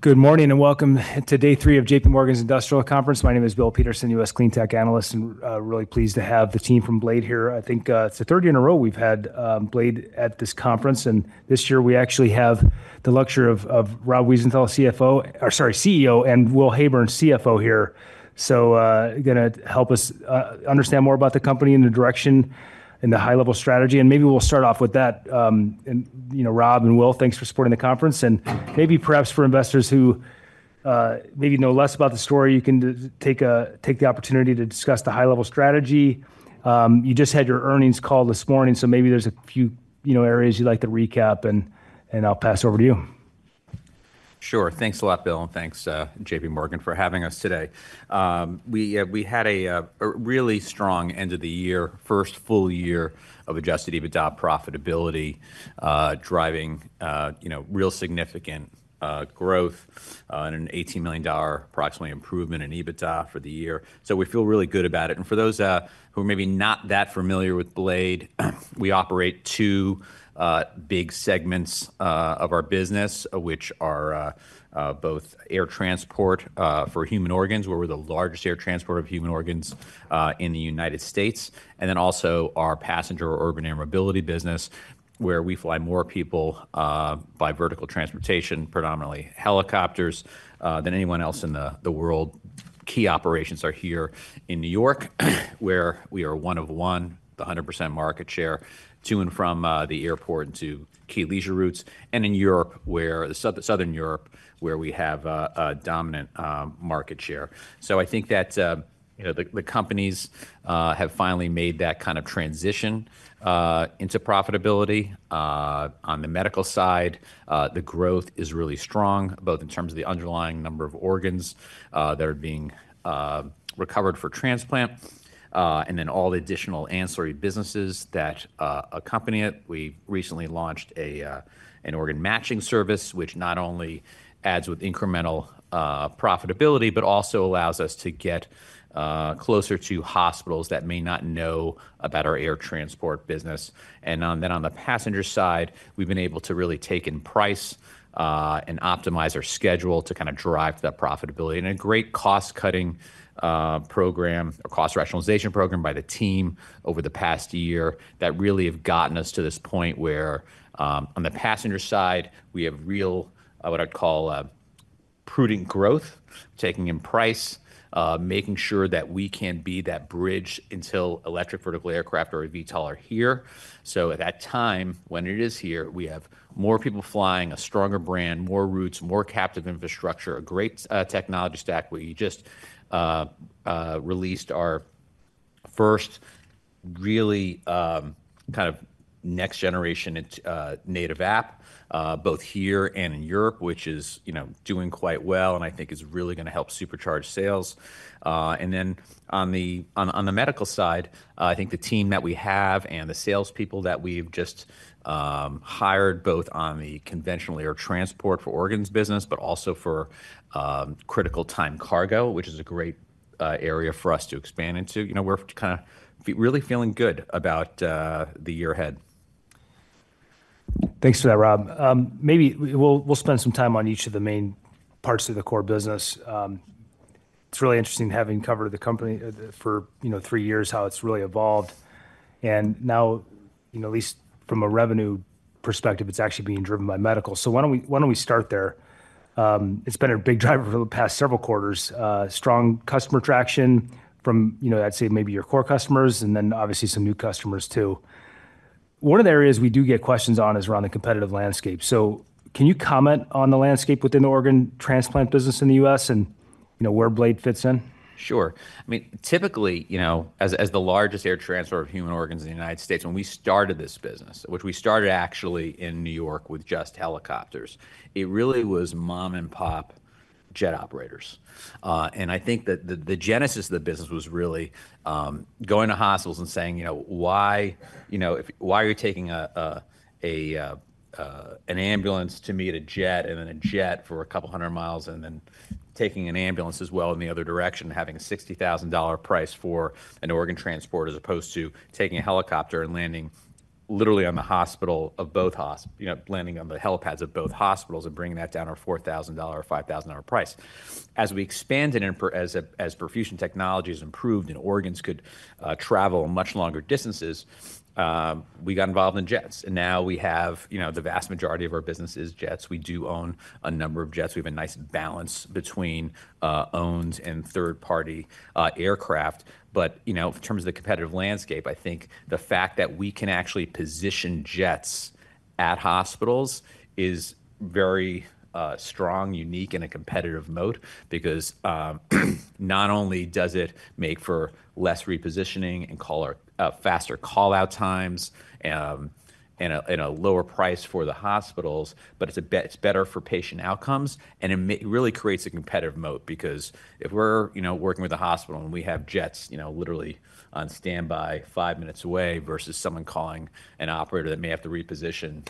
Good morning and welcome to day three of J.P. Morgan's Industrial Conference. My name is Bill Peterson, U.S. Clean Tech Analyst, and I'm really pleased to have the team from Blade here. I think it's the third year in a row we've had Blade at this conference, and this year we actually have the luxury of Rob Wiesenthal, CEO, and Will Heyburn, CFO here. They are going to help us understand more about the company and the direction and the high-level strategy. Maybe we will start off with that. Rob and Will, thanks for supporting the conference. Maybe, perhaps for investors who maybe know less about the story, you can take the opportunity to discuss the high-level strategy. You just had your earnings call this morning, so maybe there are a few areas you'd like to recap, and I'll pass over to you. Sure. Thanks a lot, Bill, and thanks, J.P. Morgan, for having us today. We had a really strong end of the year, first full year of adjusted EBITDA profitability, driving real significant growth and an $18 million, approximately, improvement in EBITDA for the year. We feel really good about it. For those who are maybe not that familiar with Blade, we operate two big segments of our business, which are both air transport for human organs, where we're the largest air transport of human organs in the United States, and also our passenger urban air mobility business, where we fly more people by vertical transportation, predominantly helicopters, than anyone else in the world. Key operations are here in New York, where we are one of one, the 100% market share, to and from the airport and to key leisure routes, and in Europe, the southern Europe, where we have a dominant market share. I think that the companies have finally made that kind of transition into profitability. On the medical side, the growth is really strong, both in terms of the underlying number of organs that are being recovered for transplant and then all additional ancillary businesses that accompany it. We recently launched an organ matching service, which not only adds with incremental profitability, but also allows us to get closer to hospitals that may not know about our air transport business. On the passenger side, we've been able to really take in price and optimize our schedule to kind of drive that profitability. A great cost-cutting program, a cost rationalization program by the team over the past year that really have gotten us to this point where, on the passenger side, we have real, what I'd call, prudent growth, taking in price, making sure that we can be that bridge until electric vertical aircraft or eVTOL are here. At that time, when it is here, we have more people flying, a stronger brand, more routes, more captive infrastructure, a great technology stack. We just released our first really kind of next-generation native app, both here and in Europe, which is doing quite well and I think is really going to help supercharge sales. On the medical side, I think the team that we have and the salespeople that we've just hired, both on the conventional air transport for organs business, but also for critical time cargo, which is a great area for us to expand into, we're kind of really feeling good about the year ahead. Thanks for that, Rob. Maybe we'll spend some time on each of the main parts of the core business. It's really interesting having covered the company for three years, how it's really evolved. Now, at least from a revenue perspective, it's actually being driven by medical. Why don't we start there? It's been a big driver for the past several quarters: strong customer traction from, I'd say, maybe your core customers, and then obviously some new customers too. One of the areas we do get questions on is around the competitive landscape. Can you comment on the landscape within the organ transplant business in the U.S. and where Blade fits in? Sure. I mean, typically, as the largest air transport of human organs in the United States, when we started this business, which we started actually in New York with just helicopters, it really was mom-and-pop jet operators. I think that the genesis of the business was really going to hospitals and saying, "Why are you taking an ambulance to meet a jet and then a jet for a couple hundred miles, and then taking an ambulance as well in the other direction, having a $60,000 price for an organ transport, as opposed to taking a helicopter and landing literally on the hospital of both, landing on the helipads of both hospitals and bringing that down to a $4,000 or $5,000 price?" As we expanded and as perfusion technologies improved and organs could travel much longer distances, we got involved in jets. Now we have the vast majority of our business is jets. We do own a number of jets. We have a nice balance between owned and third-party aircraft. In terms of the competitive landscape, I think the fact that we can actually position jets at hospitals is very strong, unique, and a competitive moat because not only does it make for less repositioning and faster call-out times and a lower price for the hospitals, but it is better for patient outcomes. It really creates a competitive moat because if we are working with a hospital and we have jets literally on standby five minutes away versus someone calling an operator that may have to reposition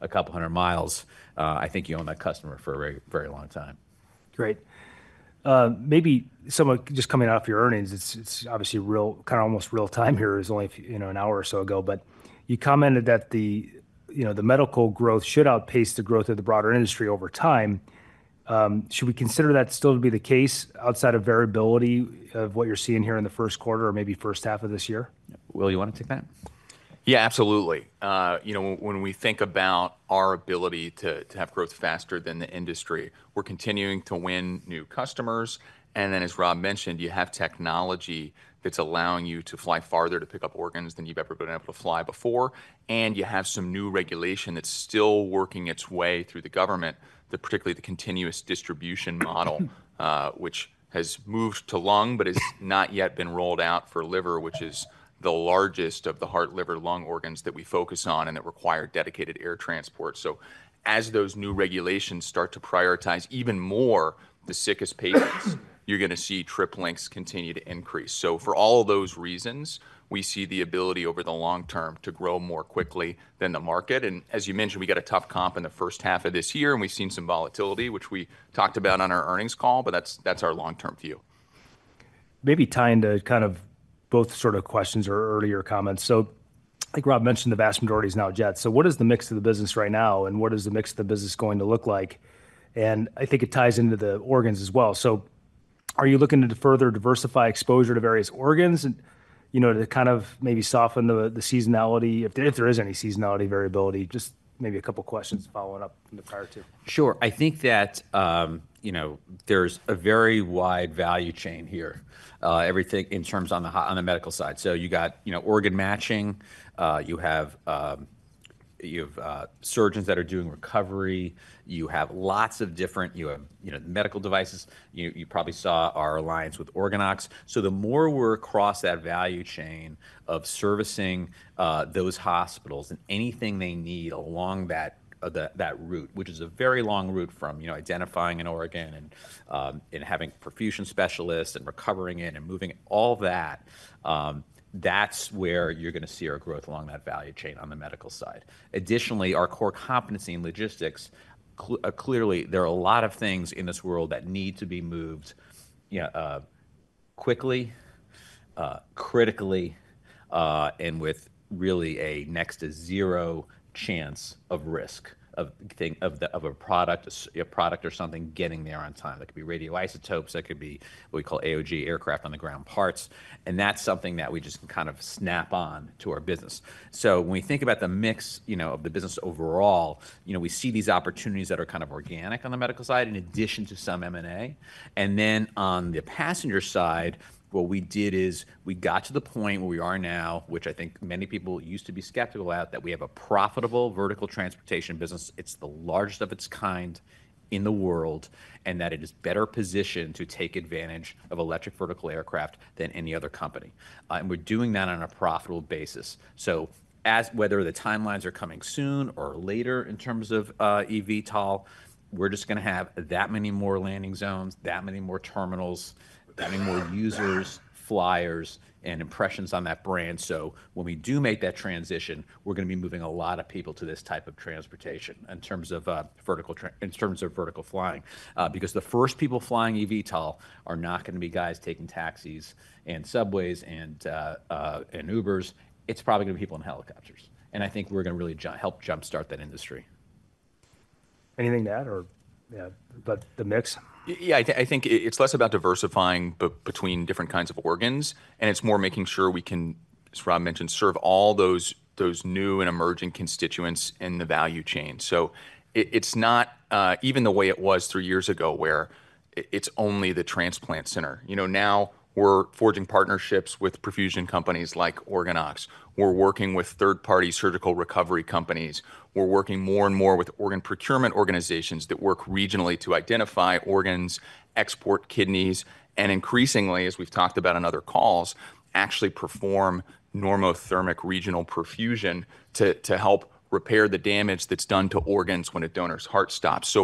a couple hundred miles, I think you own that customer for a very long time. Great. Maybe someone just coming off your earnings, it's obviously kind of almost real time here. It was only an hour or so ago. You commented that the medical growth should outpace the growth of the broader industry over time. Should we consider that still to be the case outside of variability of what you're seeing here in the first quarter or maybe first half of this year? Will, you want to take that? Yeah, absolutely. When we think about our ability to have growth faster than the industry, we're continuing to win new customers. Then, as Rob mentioned, you have technology that's allowing you to fly farther to pick up organs than you've ever been able to fly before. You have some new regulation that's still working its way through the government, particularly the Continuous Distribution model, which has moved to lung but has not yet been rolled out for liver, which is the largest of the heart, liver, lung organs that we focus on and that require dedicated air transport. As those new regulations start to prioritize even more the sickest patients, you're going to see trip links continue to increase. For all of those reasons, we see the ability over the long term to grow more quickly than the market. As you mentioned, we got a tough comp in the first half of this year, and we've seen some volatility, which we talked about on our earnings call, but that's our long-term view. Maybe tying to kind of both sort of questions or earlier comments. I think Rob mentioned the vast majority is now jets. What is the mix of the business right now, and what is the mix of the business going to look like? I think it ties into the organs as well. Are you looking to further diversify exposure to various organs to kind of maybe soften the seasonality, if there is any seasonality variability? Just maybe a couple of questions following up from the prior two. Sure. I think that there's a very wide value chain here in terms on the medical side. You got organ matching. You have surgeons that are doing recovery. You have lots of different medical devices. You probably saw our alliance with OrganOx. The more we're across that value chain of servicing those hospitals and anything they need along that route, which is a very long route from identifying an organ and having perfusion specialists and recovering it and moving it, all that, that's where you're going to see our growth along that value chain on the medical side. Additionally, our core competency in logistics, clearly, there are a lot of things in this world that need to be moved quickly, critically, and with really a next to zero chance of risk of a product or something getting there on time. That could be radioisotopes. That could be what we call AOG, aircraft on the ground parts. That's something that we just can kind of snap on to our business. When we think about the mix of the business overall, we see these opportunities that are kind of organic on the medical side in addition to some M&A. On the passenger side, what we did is we got to the point where we are now, which I think many people used to be skeptical at, that we have a profitable vertical transportation business. It's the largest of its kind in the world, and that it is better positioned to take advantage of electric vertical aircraft than any other company. We're doing that on a profitable basis. Whether the timelines are coming soon or later in terms of eVTOL, we're just going to have that many more landing zones, that many more terminals, that many more users, flyers, and impressions on that brand. When we do make that transition, we're going to be moving a lot of people to this type of transportation in terms of vertical flying. Because the first people flying eVTOL are not going to be guys taking taxis and subways and Ubers. It's probably going to be people in helicopters. I think we're going to really help jumpstart that industry. Anything to add or about the mix? Yeah, I think it's less about diversifying between different kinds of organs, and it's more making sure we can, as Rob mentioned, serve all those new and emerging constituents in the value chain. It's not even the way it was three years ago where it's only the transplant center. Now we're forging partnerships with perfusion companies like OrganOx. We're working with third-party surgical recovery companies. We're working more and more with organ procurement organizations that work regionally to identify organs, export kidneys, and increasingly, as we've talked about in other calls, actually perform normothermic regional perfusion to help repair the damage that's done to organs when a donor's heart stops.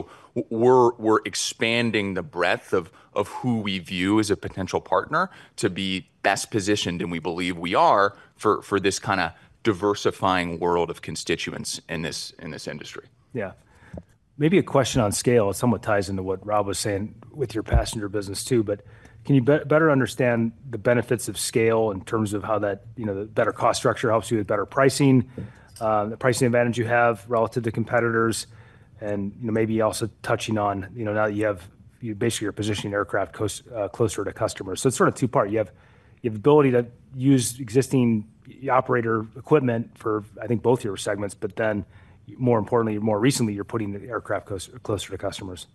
We're expanding the breadth of who we view as a potential partner to be best positioned, and we believe we are for this kind of diversifying world of constituents in this industry. Yeah. Maybe a question on scale somewhat ties into what Rob was saying with your passenger business too, but can you better understand the benefits of scale in terms of how that better cost structure helps you with better pricing, the pricing advantage you have relative to competitors, and maybe also touching on now that you have basically you're positioning aircraft closer to customers. It is sort of two-part. You have the ability to use existing operator equipment for, I think, both your segments, but then, more importantly, more recently, you're putting the aircraft closer to customers.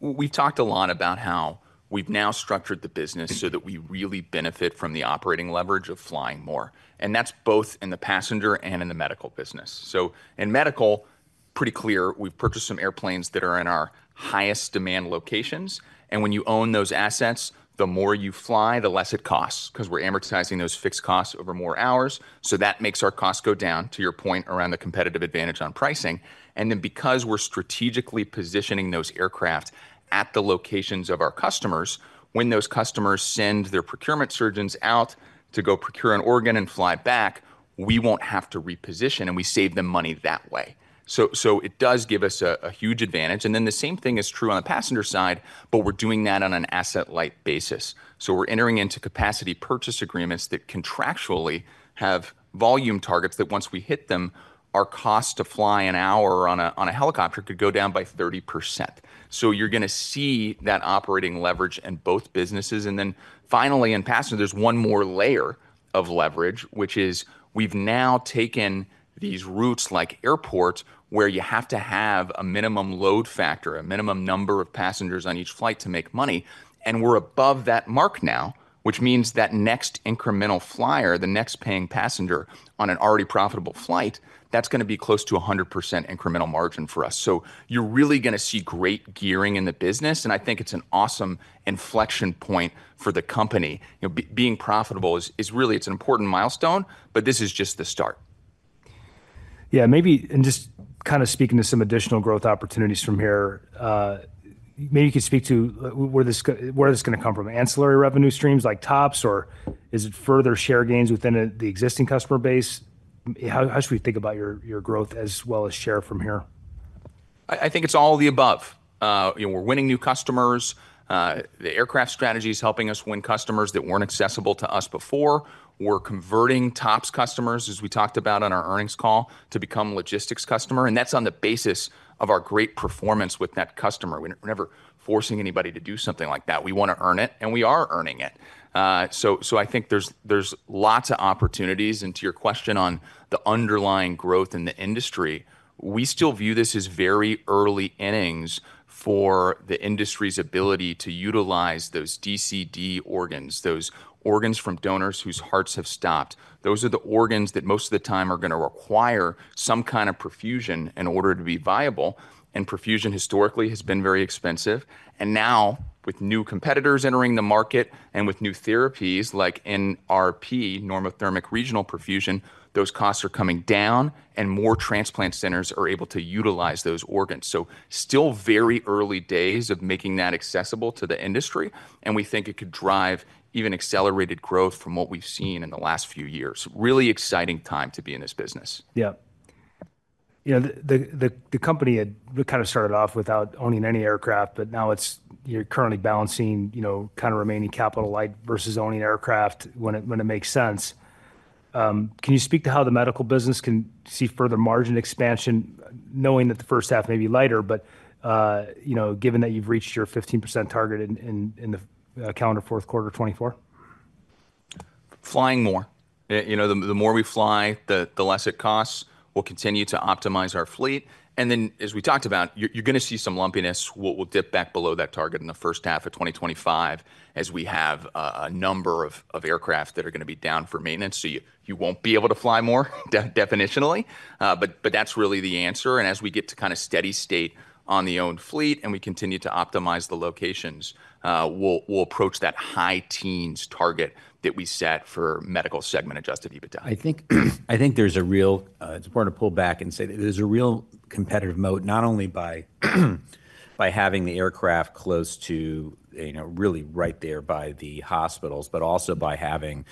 We've talked a lot about how we've now structured the business so that we really benefit from the operating leverage of flying more. That's both in the passenger and in the medical business. In medical, pretty clear, we've purchased some airplanes that are in our highest demand locations. When you own those assets, the more you fly, the less it costs because we're amortizing those fixed costs over more hours. That makes our cost go down, to your point, around the competitive advantage on pricing. Because we're strategically positioning those aircraft at the locations of our customers, when those customers send their procurement surgeons out to go procure an organ and fly back, we won't have to reposition, and we save them money that way. It does give us a huge advantage. The same thing is true on the passenger side, but we're doing that on an asset-light basis. We're entering into capacity purchase agreements that contractually have volume targets that once we hit them, our cost to fly an hour on a helicopter could go down by 30%. You're going to see that operating leverage in both businesses. Finally, in passengers, there's one more layer of leverage, which is we've now taken these routes like airports where you have to have a minimum load factor, a minimum number of passengers on each flight to make money. We're above that mark now, which means that next incremental flyer, the next paying passenger on an already profitable flight, that's going to be close to 100% incremental margin for us. You're really going to see great gearing in the business. I think it's an awesome inflection point for the company. Being profitable is really, it's an important milestone, but this is just the start. Yeah, maybe, and just kind of speaking to some additional growth opportunities from here, maybe you could speak to where this is going to come from. Ancillary revenue streams like TOPS, or is it further share gains within the existing customer base? How should we think about your growth as well as share from here? I think it's all of the above. We're winning new customers. The aircraft strategy is helping us win customers that weren't accessible to us before. We're converting TOPS customers, as we talked about on our earnings call, to become logistics customers. That's on the basis of our great performance with that customer. We're never forcing anybody to do something like that. We want to earn it, and we are earning it. I think there's lots of opportunities. To your question on the underlying growth in the industry, we still view this as very early innings for the industry's ability to utilize those DCD organs, those organs from donors whose hearts have stopped. Those are the organs that most of the time are going to require some kind of perfusion in order to be viable. Perfusion historically has been very expensive. Now, with new competitors entering the market and with new therapies like NRP, normothermic regional perfusion, those costs are coming down, and more transplant centers are able to utilize those organs. It is still very early days of making that accessible to the industry. We think it could drive even accelerated growth from what we have seen in the last few years. Really exciting time to be in this business. Yeah. The company had kind of started off without owning any aircraft, but now you're currently balancing kind of remaining capital light versus owning aircraft when it makes sense. Can you speak to how the medical business can see further margin expansion, knowing that the first half may be lighter, but given that you've reached your 15% target in the calendar fourth quarter of 2024? Flying more. The more we fly, the less it costs. We'll continue to optimize our fleet. As we talked about, you're going to see some lumpiness. We'll dip back below that target in the first half of 2025 as we have a number of aircraft that are going to be down for maintenance. You won't be able to fly more definitionally. That's really the answer. As we get to kind of steady state on the owned fleet and we continue to optimize the locations, we'll approach that high teens target that we set for medical segment adjusted EBITDA. I think there's a real, it's important to pull back and say that there's a real competitive moat, not only by having the aircraft close to really right there by the hospitals, but also by having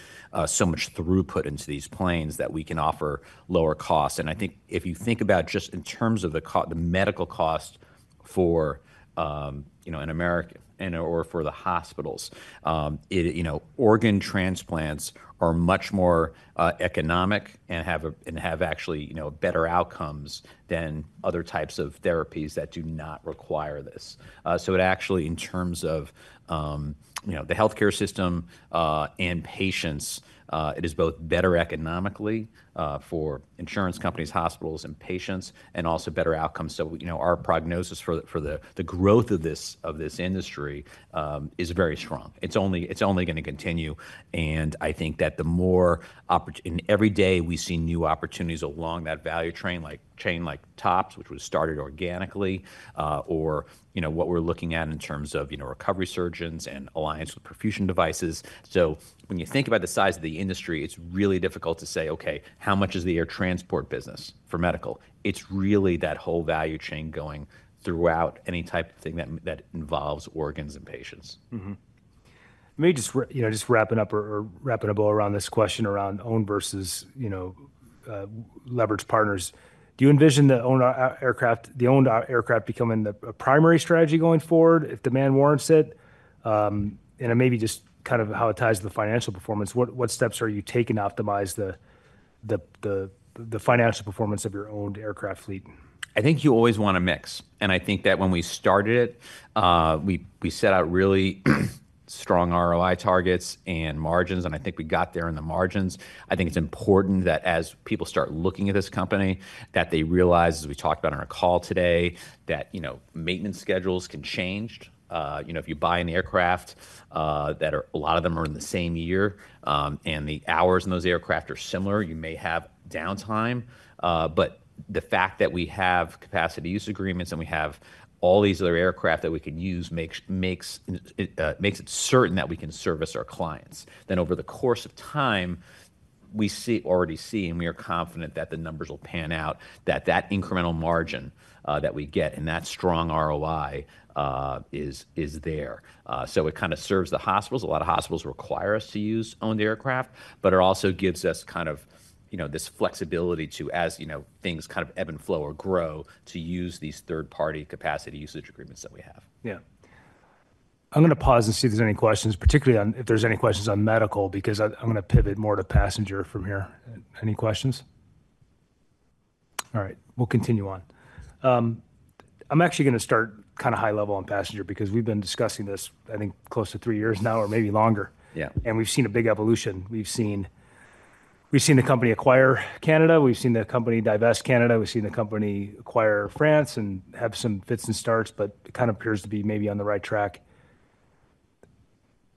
so much throughput into these planes that we can offer lower costs. I think if you think about just in terms of the medical cost for an American or for the hospitals, organ transplants are much more economic and have actually better outcomes than other types of therapies that do not require this. It actually, in terms of the healthcare system and patients, is both better economically for insurance companies, hospitals, and patients, and also better outcomes. Our prognosis for the growth of this industry is very strong. It's only going to continue. I think that the more every day we see new opportunities along that value chain, like TOPS, which was started organically, or what we're looking at in terms of recovery surgeons and alliance with perfusion devices. When you think about the size of the industry, it's really difficult to say, okay, how much is the air transport business for medical? It's really that whole value chain going throughout any type of thing that involves organs and patients. Maybe just wrapping up or wrapping a bow around this question around owned versus leveraged partners. Do you envision the owned aircraft becoming a primary strategy going forward if demand warrants it? Maybe just kind of how it ties to the financial performance. What steps are you taking to optimize the financial performance of your owned aircraft fleet? I think you always want a mix. I think that when we started it, we set out really strong ROI targets and margins. I think we got there in the margins. I think it's important that as people start looking at this company, that they realize, as we talked about on our call today, that maintenance schedules can change. If you buy an aircraft, a lot of them are in the same year, and the hours in those aircraft are similar, you may have downtime. The fact that we have capacity use agreements and we have all these other aircraft that we can use makes it certain that we can service our clients. Over the course of time, we already see, and we are confident that the numbers will pan out, that that incremental margin that we get and that strong ROI is there. It kind of serves the hospitals. A lot of hospitals require us to use owned aircraft, but it also gives us kind of this flexibility to, as things kind of ebb and flow or grow, to use these third-party capacity usage agreements that we have. Yeah. I'm going to pause and see if there's any questions, particularly if there's any questions on medical, because I'm going to pivot more to passenger from here. Any questions? All right. We'll continue on. I'm actually going to start kind of high level on passenger because we've been discussing this, I think, close to three years now or maybe longer. And we've seen a big evolution. We've seen the company acquire Canada. We've seen the company divest Canada. We've seen the company acquire France and have some fits and starts, but it kind of appears to be maybe on the right track.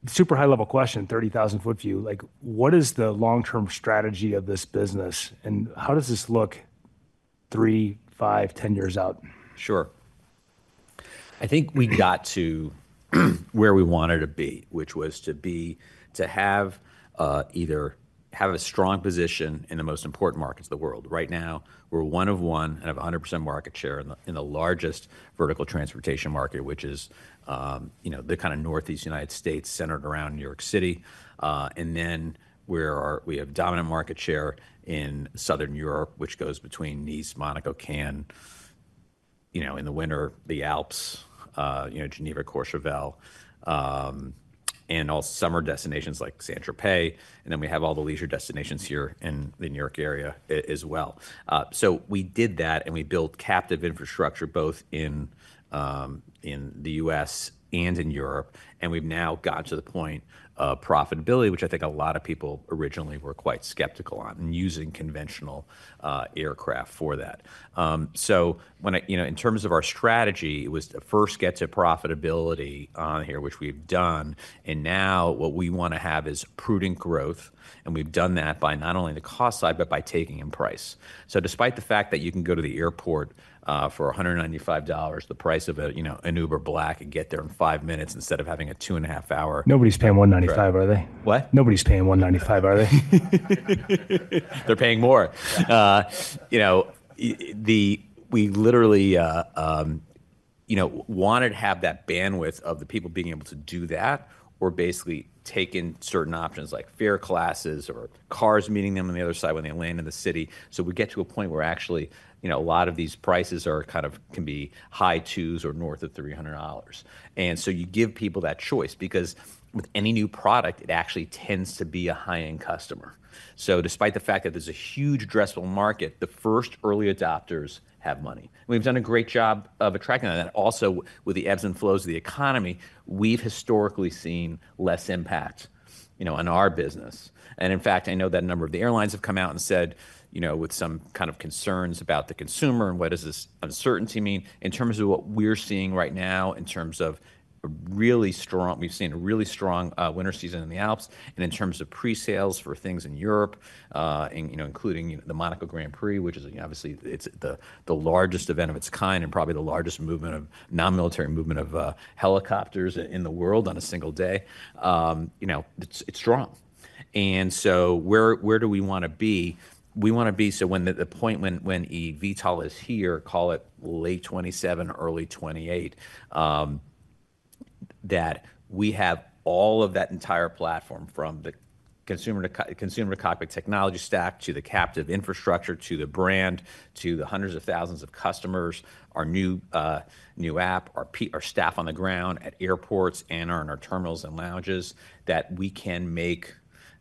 Super high-level question, 30,000-foot view. What is the long-term strategy of this business, and how does this look three, five, ten years out? Sure. I think we got to where we wanted to be, which was to have either have a strong position in the most important markets of the world. Right now, we're one of one and have 100% market share in the largest vertical transportation market, which is the kind of northeast United States centered around New York City. We have dominant market share in southern Europe, which goes between Nice, Monaco, Cannes, in the winter, the Alps, Geneva, Courchevel, and all summer destinations like Saint-Tropez. We have all the leisure destinations here in the New York area as well. We did that, and we built captive infrastructure both in the U.S. and in Europe. We've now gotten to the point of profitability, which I think a lot of people originally were quite skeptical on, and using conventional aircraft for that. In terms of our strategy, it was to first get to profitability on here, which we've done. Now what we want to have is prudent growth. We've done that by not only the cost side, but by taking in price. Despite the fact that you can go to the airport for $195, the price of an Uber Black, and get there in five minutes instead of having a two-and-a-half-hour. Nobody's paying $195, are they? What? Nobody's paying $195, are they? They're paying more. We literally wanted to have that bandwidth of the people being able to do that. We're basically taking certain options like fare classes or cars meeting them on the other side when they land in the city. We get to a point where actually a lot of these prices are kind of can be high twos or north of $300. You give people that choice because with any new product, it actually tends to be a high-end customer. Despite the fact that there's a huge dressable market, the first early adopters have money. We've done a great job of attracting that. Also, with the ebbs and flows of the economy, we've historically seen less impact on our business. I know that a number of the airlines have come out and said, with some kind of concerns about the consumer and what does this uncertainty mean, in terms of what we're seeing right now, in terms of a really strong—we've seen a really strong winter season in the Alps. In terms of pre-sales for things in Europe, including the Monaco Grand Prix, which is obviously the largest event of its kind and probably the largest movement of non-military movement of helicopters in the world on a single day, it's strong. Where do we want to be? We want to be so when the point when eVTOL is here, call it late 2027, early 2028, that we have all of that entire platform from the consumer-to-cockpit technology stack to the captive infrastructure to the brand to the hundreds of thousands of customers, our new app, our staff on the ground at airports and on our terminals and lounges, that we can make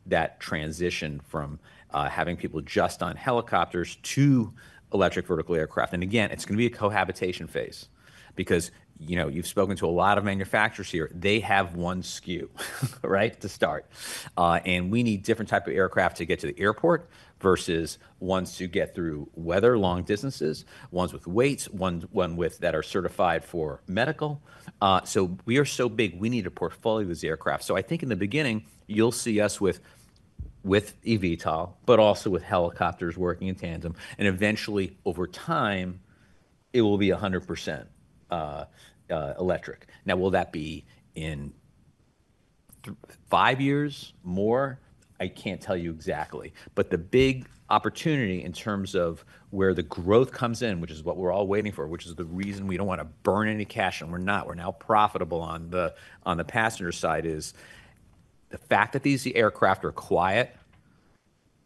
that transition from having people just on helicopters to electric vertical aircraft. It is going to be a cohabitation phase because you have spoken to a lot of manufacturers here. They have one SKU, right, to start. We need different types of aircraft to get to the airport versus ones to get through weather, long distances, ones with weights, one that are certified for medical. We are so big, we need a portfolio of these aircraft. I think in the beginning, you'll see us with eVTOL, but also with helicopters working in tandem. Eventually, over time, it will be 100% electric. Now, will that be in five years, more? I can't tell you exactly. The big opportunity in terms of where the growth comes in, which is what we're all waiting for, which is the reason we don't want to burn any cash, and we're not. We're now profitable on the passenger side. The fact that these aircraft are quiet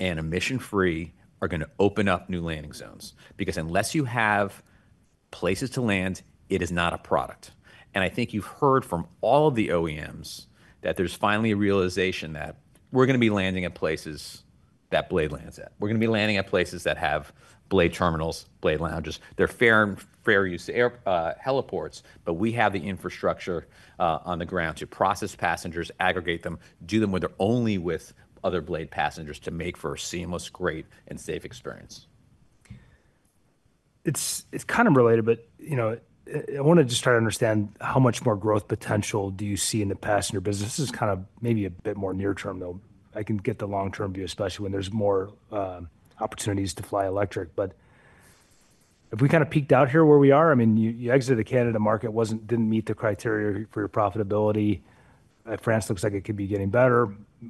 and emission-free are going to open up new landing zones. Because unless you have places to land, it is not a product. I think you've heard from all of the OEMs that there's finally a realization that we're going to be landing at places that Blade lands at. We're going to be landing at places that have Blade terminals, Blade lounges. They're fair and fair use heliports, but we have the infrastructure on the ground to process passengers, aggregate them, do them with or only with other Blade passengers to make for a seamless, great, and safe experience. It's kind of related, but I want to just try to understand how much more growth potential do you see in the passenger business? This is kind of maybe a bit more near term, though. I can get the long-term view, especially when there's more opportunities to fly electric. If we kind of peeked out here where we are, I mean, you exited the Canada market, didn't meet the criteria for your profitability. France looks like it could be getting better.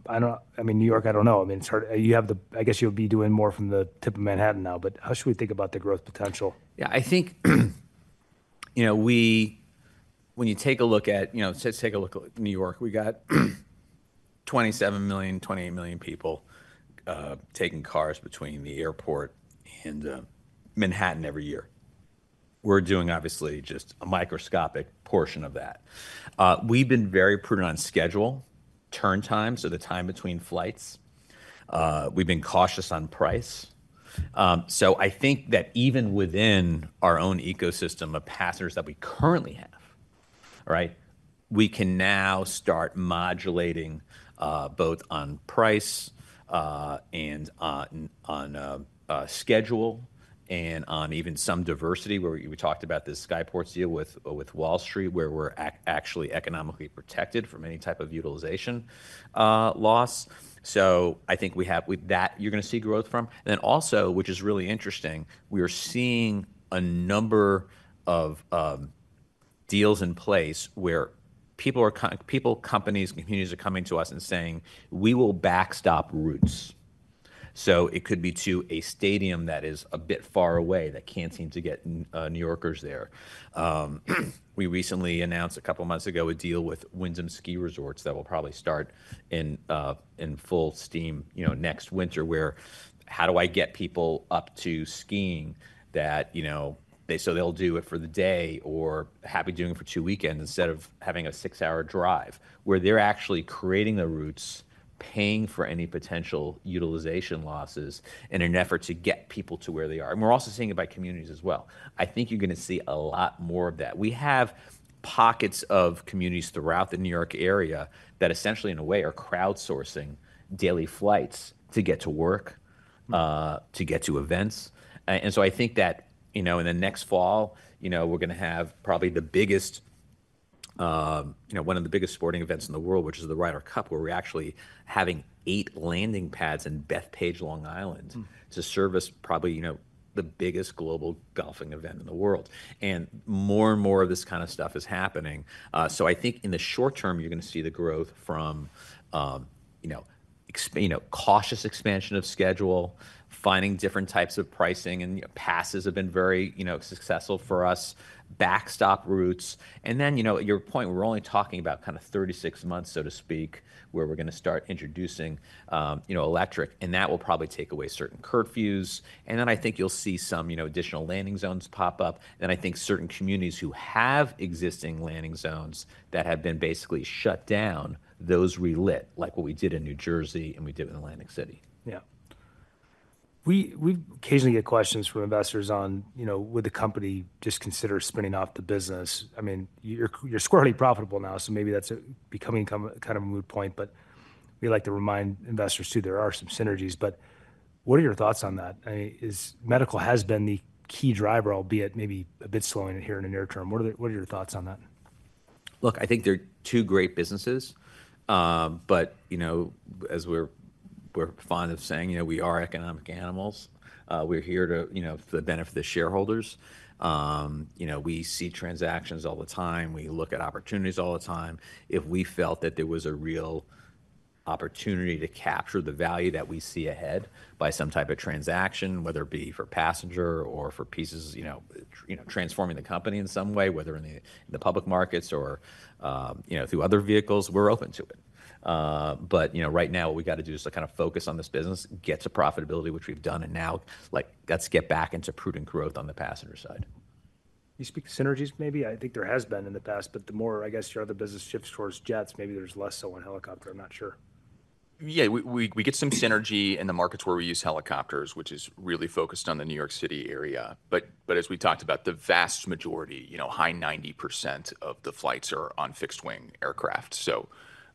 I mean, New York, I don't know. I mean, you have the I guess you'll be doing more from the tip of Manhattan now, but how should we think about the growth potential? Yeah, I think when you take a look at let's take a look at New York. We got 27 million, 28 million people taking cars between the airport and Manhattan every year. We're doing obviously just a microscopic portion of that. We've been very prudent on schedule, turn time, so the time between flights. We've been cautious on price. I think that even within our own ecosystem of passengers that we currently have, right, we can now start modulating both on price and on schedule and on even some diversity where we talked about this Skyports deal with Wall Street, where we're actually economically protected from any type of utilization loss. I think we have that you're going to see growth from. Which is really interesting, we are seeing a number of deals in place where people, companies, and communities are coming to us and saying, "We will backstop routes." It could be to a stadium that is a bit far away that cannot seem to get New Yorkers there. We recently announced a couple of months ago a deal with Windham ski resorts that will probably start in full steam next winter, where how do I get people up to skiing that so they will do it for the day or happy doing it for two weekends instead of having a six-hour drive, where they are actually creating the routes, paying for any potential utilization losses in an effort to get people to where they are. We are also seeing it by communities as well. I think you are going to see a lot more of that. We have pockets of communities throughout the New York area that essentially, in a way, are crowdsourcing daily flights to get to work, to get to events. I think that in the next fall, we're going to have probably the biggest, one of the biggest sporting events in the world, which is the Ryder Cup, where we're actually having eight landing pads in Bethpage, Long Island, to service probably the biggest global golfing event in the world. More and more of this kind of stuff is happening. I think in the short term, you're going to see the growth from cautious expansion of schedule, finding different types of pricing, and passes have been very successful for us, backstop routes. To your point, we're only talking about kind of 36 months, so to speak, where we're going to start introducing electric. That will probably take away certain curfews. I think you'll see some additional landing zones pop up. I think certain communities who have existing landing zones that have been basically shut down, those relit, like what we did in New Jersey and we did in Atlantic City. Yeah. We occasionally get questions from investors on, would the company just consider spinning off the business? I mean, you're squarely profitable now, so maybe that's becoming kind of a moot point. We like to remind investors too, there are some synergies. What are your thoughts on that? Medical has been the key driver, albeit maybe a bit slowing here in the near term. What are your thoughts on that? Look, I think they're two great businesses. As we're fond of saying, we are economic animals. We're here for the benefit of the shareholders. We see transactions all the time. We look at opportunities all the time. If we felt that there was a real opportunity to capture the value that we see ahead by some type of transaction, whether it be for passenger or for pieces transforming the company in some way, whether in the public markets or through other vehicles, we're open to it. Right now, what we got to do is kind of focus on this business, get to profitability, which we've done, and now let's get back into prudent growth on the passenger side. You speak to synergies maybe? I think there has been in the past, but the more, I guess, your other business shifts towards jets, maybe there's less so on helicopter. I'm not sure. Yeah, we get some synergy in the markets where we use helicopters, which is really focused on the New York City area. As we talked about, the vast majority, high 90% of the flights are on fixed-wing aircraft.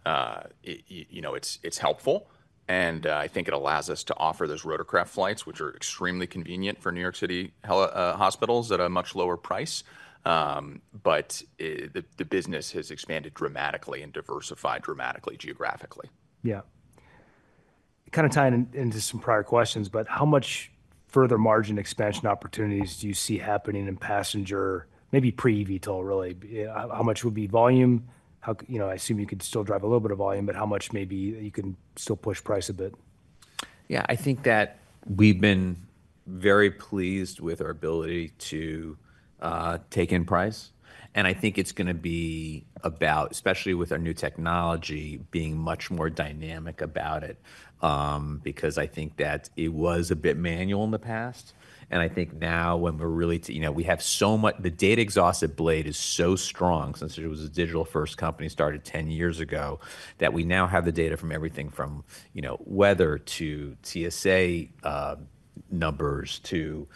It is helpful. I think it allows us to offer those rotorcraft flights, which are extremely convenient for New York City hospitals at a much lower price. The business has expanded dramatically and diversified dramatically geographically. Yeah. Kind of tying into some prior questions, but how much further margin expansion opportunities do you see happening in passenger, maybe pre-eVTOL, really? How much would be volume? I assume you could still drive a little bit of volume, but how much maybe you can still push price a bit? Yeah, I think that we've been very pleased with our ability to take in price. I think it's going to be about, especially with our new technology, being much more dynamic about it. I think that it was a bit manual in the past. I think now we have so much data, exhaustive, Blade is so strong since it was a digital-first company started 10 years ago, that we now have the data from everything from weather to TSA numbers to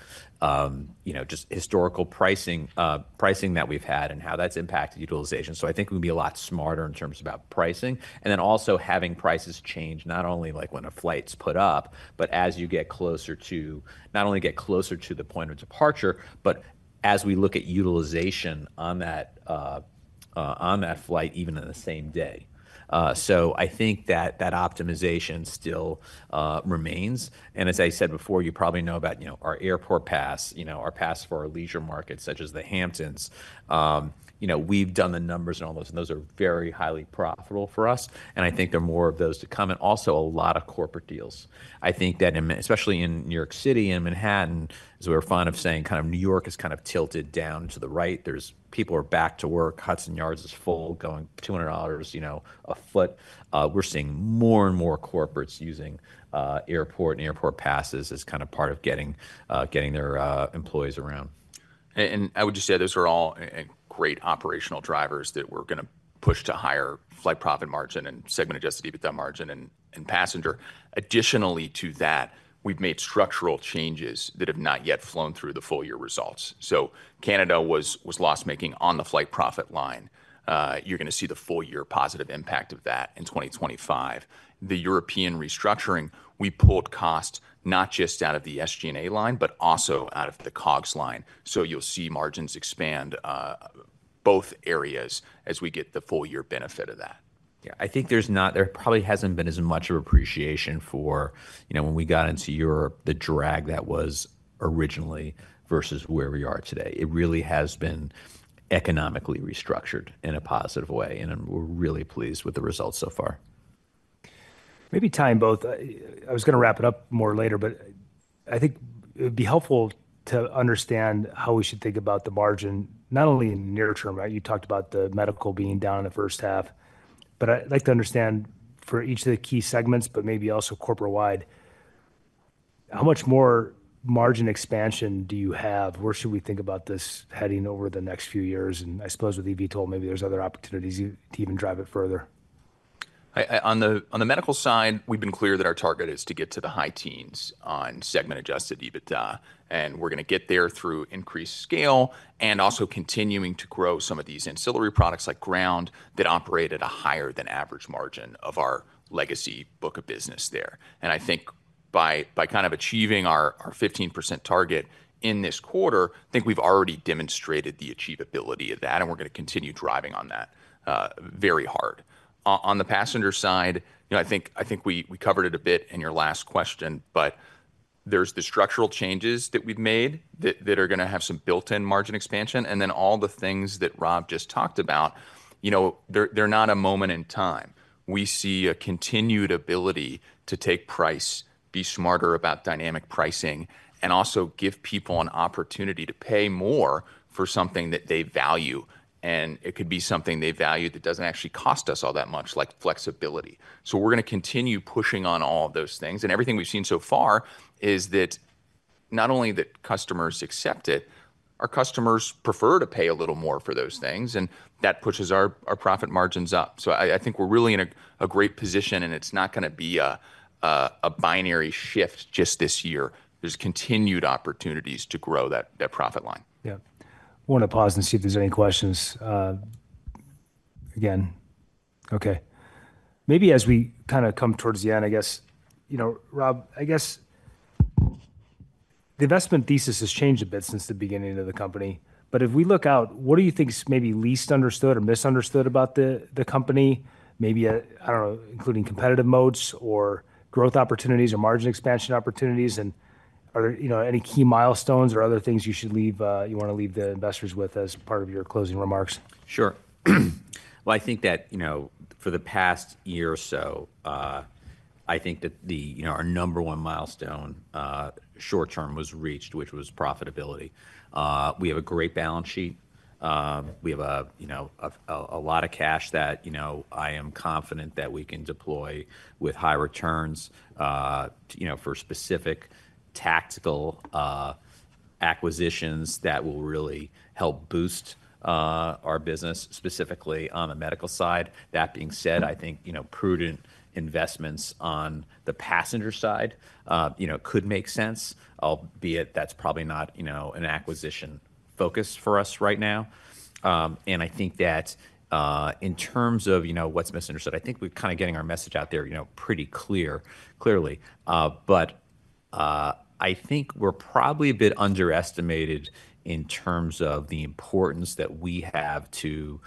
just historical pricing that we've had and how that's impacted utilization. I think we'll be a lot smarter in terms about pricing. Also, having prices change not only when a flight's put up, but as you get closer to the point of departure, and as we look at utilization on that flight even in the same day. I think that optimization still remains. As I said before, you probably know about our Airport Pass, our pass for our leisure markets such as the Hamptons. We've done the numbers on all those, and those are very highly profitable for us. I think there are more of those to come and also a lot of corporate deals. I think that especially in New York City and Manhattan, as we were fond of saying, New York is kind of tilted down to the right. People are back to work. Hudson Yards is full, going $200 a foot. We're seeing more and more corporates using airport and Airport Passes as kind of part of getting their employees around. I would just say those are all great operational drivers that we're going to push to higher flight profit margin and segment adjusted EBITDA margin and passenger. Additionally to that, we've made structural changes that have not yet flown through the full year results. Canada was loss-making on the flight profit line. You're going to see the full year positive impact of that in 2025. The European restructuring, we pulled costs not just out of the SG&A line, but also out of the COGS line. You'll see margins expand both areas as we get the full year benefit of that. I think there probably hasn't been as much of appreciation for when we got into Europe, the drag that was originally versus where we are today. It really has been economically restructured in a positive way. We're really pleased with the results so far. Maybe tying both, I was going to wrap it up more later, but I think it would be helpful to understand how we should think about the margin, not only in the near term, right? You talked about the medical being down in the first half. I would like to understand for each of the key segments, but maybe also corporate-wide, how much more margin expansion do you have? Where should we think about this heading over the next few years? I suppose with eVTOL, maybe there are other opportunities to even drive it further. On the medical side, we've been clear that our target is to get to the high teens on segment adjusted EBITDA. We're going to get there through increased scale and also continuing to grow some of these ancillary products like ground that operate at a higher than average margin of our legacy book of business there. I think by kind of achieving our 15% target in this quarter, I think we've already demonstrated the achievability of that. We're going to continue driving on that very hard. On the passenger side, I think we covered it a bit in your last question, but there's the structural changes that we've made that are going to have some built-in margin expansion. All the things that Rob just talked about, they're not a moment in time. We see a continued ability to take price, be smarter about dynamic pricing, and also give people an opportunity to pay more for something that they value. It could be something they value that does not actually cost us all that much, like flexibility. We are going to continue pushing on all of those things. Everything we have seen so far is that not only do customers accept it, our customers prefer to pay a little more for those things. That pushes our profit margins up. I think we are really in a great position. It is not going to be a binary shift just this year. There are continued opportunities to grow that profit line. Yeah. I want to pause and see if there's any questions. Again, okay. Maybe as we kind of come towards the end, I guess, Rob, I guess the investment thesis has changed a bit since the beginning of the company. If we look out, what do you think is maybe least understood or misunderstood about the company? Maybe, I don't know, including competitive modes or growth opportunities or margin expansion opportunities. Are there any key milestones or other things you want to leave the investors with as part of your closing remarks? Sure. I think that for the past year or so, I think that our number one milestone short term was reached, which was profitability. We have a great balance sheet. We have a lot of cash that I am confident that we can deploy with high returns for specific tactical acquisitions that will really help boost our business, specifically on the medical side. That being said, I think prudent investments on the passenger side could make sense, albeit that's probably not an acquisition focus for us right now. I think that in terms of what's misunderstood, I think we're kind of getting our message out there pretty clearly. I think we're probably a bit underestimated in terms of the importance that we have to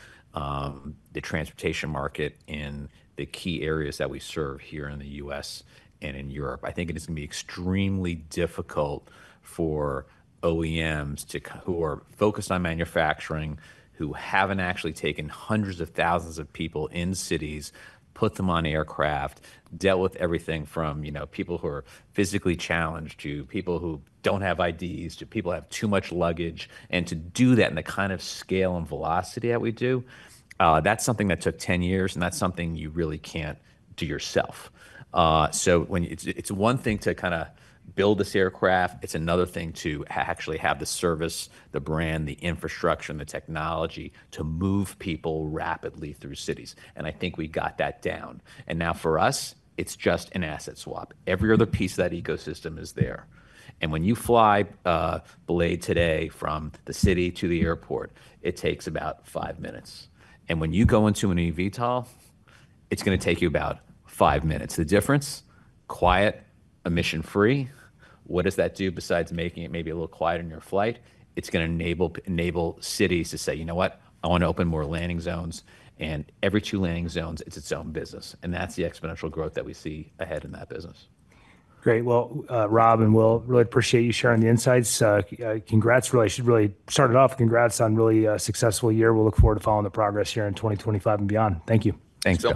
the transportation market in the key areas that we serve here in the U.S. and in Europe. I think it is going to be extremely difficult for OEMs who are focused on manufacturing, who haven't actually taken hundreds of thousands of people in cities, put them on aircraft, dealt with everything from people who are physically challenged to people who don't have IDs to people who have too much luggage. To do that in the kind of scale and velocity that we do, that's something that took 10 years. That is something you really can't do yourself. It is one thing to kind of build this aircraft. It is another thing to actually have the service, the brand, the infrastructure, and the technology to move people rapidly through cities. I think we got that down. Now for us, it is just an asset swap. Every other piece of that ecosystem is there. When you fly Blade today from the city to the airport, it takes about five minutes. When you go into an eVTOL, it's going to take you about five minutes. The difference? Quiet, emission-free. What does that do besides making it maybe a little quieter in your flight? It's going to enable cities to say, you know what? I want to open more landing zones. Every two landing zones, it's its own business. That's the exponential growth that we see ahead in that business. Great. Rob, and Will, really appreciate you sharing the insights. Congrats. Really, congrats on really a successful year. We'll look forward to following the progress here in 2025 and beyond. Thank you. Thanks.